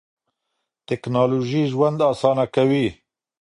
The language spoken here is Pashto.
ټیکنالوژي ژوند اسانه کوي.